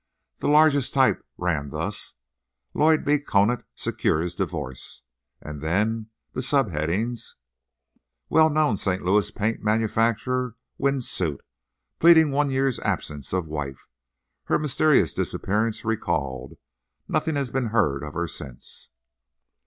The largest type ran thus: "Lloyd B. Conant secures divorce." And then the subheadings: "Well known Saint Louis paint manufacturer wins suit, pleading one year's absence of wife." "Her mysterious disappearance recalled." "Nothing has been heard of her since."